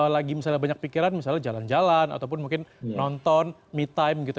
lagi misalnya banyak pikiran misalnya jalan jalan ataupun mungkin nonton me time gitu